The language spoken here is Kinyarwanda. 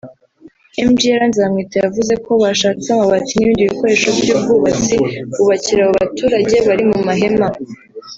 Mgr Nzamwita yavuze ko bashatse amabati n’ibindi bikoresho by’ubwubatsi bubakira abo baturage bari mu mahema